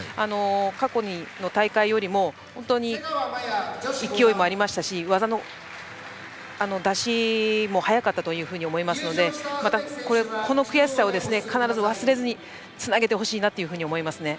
過去の大会よりも勢いもありましたし技の出しも速かったと思いますのでまた、この悔しさを必ず忘れずにつなげてほしいなと思いますね。